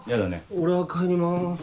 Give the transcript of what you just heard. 俺は帰ります。